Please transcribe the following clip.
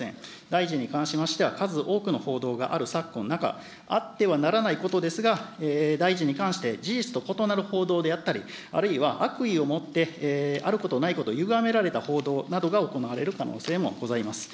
大臣に関しましては、数多くの報道がある昨今の中、あってはならないことですが、大臣に関して事実と異なる報道であったり、あるいは悪意を持ってあることないこと、ゆがめられた報道などが行われる可能性もございます。